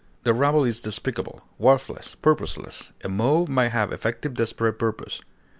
The rabble is despicable, worthless, purposeless; a mob may have effective desperate purpose.